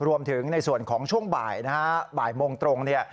รวมถึงในส่วนของช่วงบ่ายนะฮะบ่ายโมงตรงเนี่ย